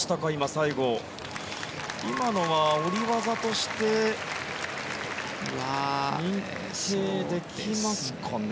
最後、今のは下り技として認定できますかね。